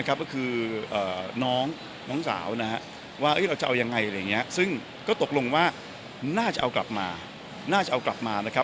ก็คือน้องสาวนะว่าเราจะเอายังไงซึ่งก็ตกลงว่าน่าจะเอากลับมา